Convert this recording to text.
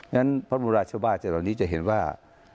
เพราะฉะนั้นพระมุราชบ้านเจ้าตอนนี้จะเห็นว่า